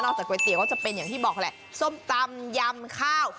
จากก๋วยเตี๋ยก็จะเป็นอย่างที่บอกแหละส้มตำยำข้าว